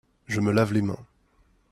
Je me lave les mains.